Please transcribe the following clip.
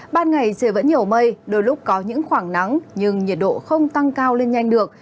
ban ngày trời vẫn nhiều mây đôi lúc có những khoảng nắng nhưng nhiệt độ không tăng cao lên nhanh được